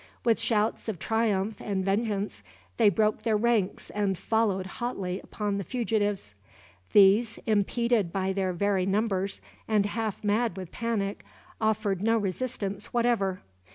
With shouts of triumph, and vengeance, they broke their ranks and followed hotly upon the fugitives. These, impeded by their very numbers, and half mad with panic, offered no resistance whatever.